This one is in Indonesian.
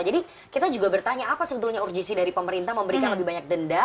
jadi kita juga bertanya apa sebetulnya urgesi dari pemerintah memberikan lebih banyak denda